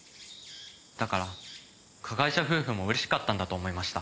だから加害者夫婦も嬉しかったんだと思いました。